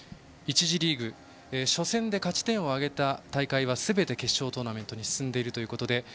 １次リーグ初戦で勝ち点を挙げた大会はすべて決勝トーナメントに進んでいるということで。